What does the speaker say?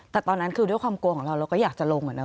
แต่ตอนนั้นคือด้วยความกลัวของเราเราก็อยากจะลงอะนะ